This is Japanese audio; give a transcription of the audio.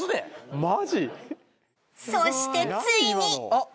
そしてついにあっ！